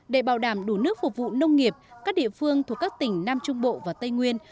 để bảo đảm đủ nước phục vụ nông nghiệp các địa phương thuộc các tỉnh nam trung bộ và tây nguyên